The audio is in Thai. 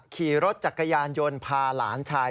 ขี่รถจักรยานยนต์พาหลานชาย